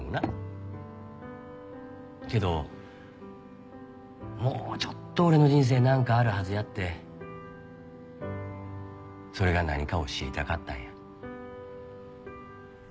けどもうちょっと俺の人生なんかあるはずやってそれが何かを知りたかったんや。